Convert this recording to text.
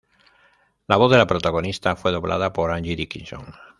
La voz de la protagonista fue doblada por Angie Dickinson.